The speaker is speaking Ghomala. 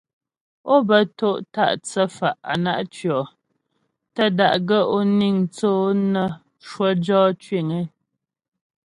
Ó bə to' ta' thə́fa' á na' tʉɔ, tə́ da'gaə́ ó niŋ thə́ ǒ nə́ cwə jɔ cwiŋ ée.